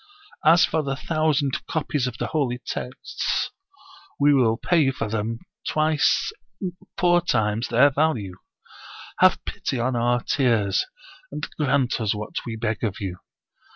As for the thou 21 OrietUai Mystery Stories sand copies of the holy texts, we will pay you for them twice, four times their value. Have pity on our tears, and grant us what we beg of you."